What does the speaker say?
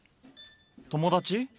友達？